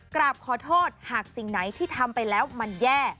กราบขอโทษหากสิ่งไหนที่ทำไปแล้วมันแย่